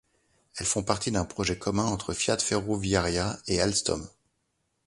Elles font partie d'un projet commun entre Fiat Ferroviaria et Alstom.